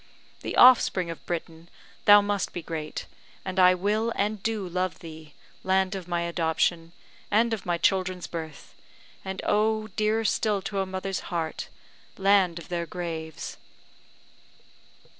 The offspring of Britain, thou must be great, and I will and do love thee, land of my adoption, and of my children's birth; and, oh, dearer still to a mother's heart land of their graves!